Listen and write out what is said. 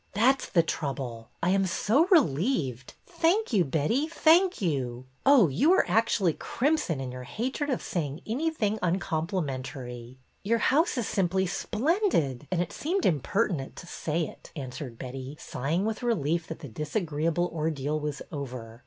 That 's the trouble. I am so relieved. Thank you, Betty, thank you. Oh, you are actually 248 BETTY BAIRD'S VENTURES crimson in your hatred of saying anything uncomplimentary." Your house is simply splendid and it seemed impertinent to say it," answered Betty, sighing with relief that the disagreeable ordeal was over.